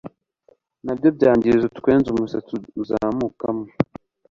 nabyo byangiza utwenge umusatsi uzamukamo,